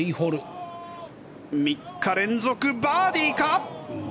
３日連続バーディーか？